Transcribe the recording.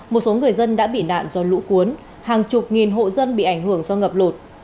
một số người dân đã bị nạn do lũ cuốn hàng chục nghìn hộ dân bị ảnh hưởng do ngập lụt